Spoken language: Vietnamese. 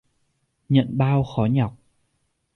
Nhận bao khó nhọc